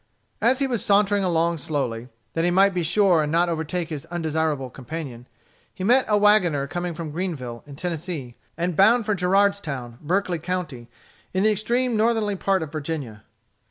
As he was sauntering along slowly, that he might be sure and not overtake his undesirable companion, he met a wagoner coming from Greenville, in Tennessee, and bound for Gerardstown, Berkeley County, in the extreme northerly part of Virginia.